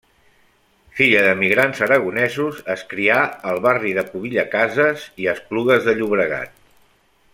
Filla d'emigrants aragonesos, es crià al barri de Pubilla Cases i a Esplugues de Llobregat.